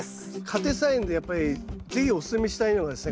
家庭菜園でやっぱり是非おすすめしたいのがですね